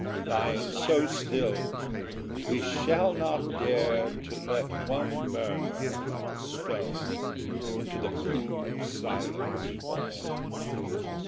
Lying so still, we shall not dare To let one murmur like a stone Into the pool of silence fall.